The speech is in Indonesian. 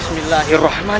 sambil mengikuti benar brown